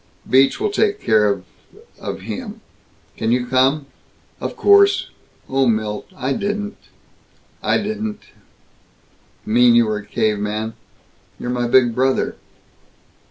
Beach will take care of of him. Can you come?" "Of course. Oh, Milt, I didn't " "I didn't "" mean you were a caveman! You're my big brother!"